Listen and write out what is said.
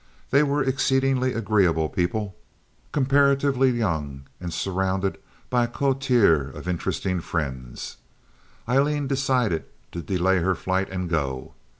They were exceedingly agreeable people—comparatively young and surrounded by a coterie of interesting friends. Aileen decided to delay her flight and go.